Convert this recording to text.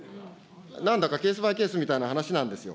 なんだかケースバイケースみたいな話なんですよ。